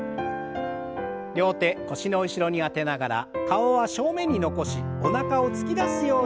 両手腰の後ろに当てながら顔は正面に残しおなかを突き出すようにして